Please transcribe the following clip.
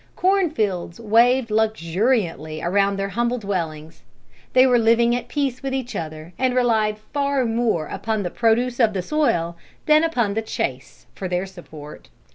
Corn fields waved luxuriantly around their humble dwellings. They were living at peace with each other, and relied far more upon the produce of the soil, than upon the chase, for their support.